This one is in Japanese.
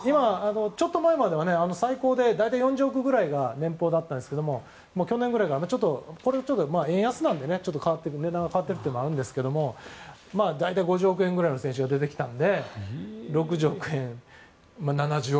ちょっと前までは最高で大体４０億ぐらいが年俸だったんですけど去年ぐらいから、円安なので値段が変わっているのはあるんですけど大体、５０億円くらいの選手が出てきたので６０億円、７０億